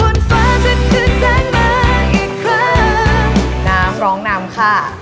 น้ำร้องน้ำค่ะ